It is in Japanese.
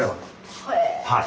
はい。